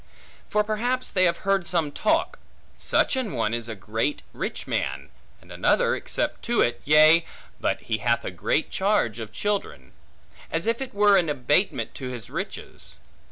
For perhaps they have heard some talk, Such an one is a great rich man, and another except to it, Yea, but he hath a great charge of children; as if it were an abatement to his riches.